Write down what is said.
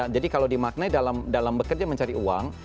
jadi kalau dimaknai dalam bekerja mencari uang